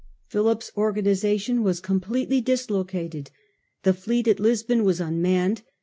Philip's organisation was completely dislocated. The fleet at Lisbon was unmanned.